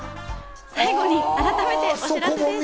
最後に改めてお知らせです。